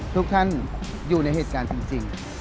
ทุกท่านอยู่ในเหตุการณ์จริง